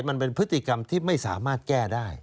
มันเป็นพฤติกรรมที่ไม่สามารถแก้ได้